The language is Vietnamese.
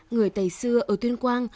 người tày xưa ở tuyên quang